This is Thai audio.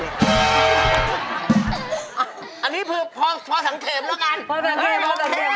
อันนี้คือพอสังเกตแล้วกัน